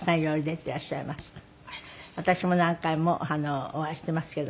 私も何回もお会いしていますけど。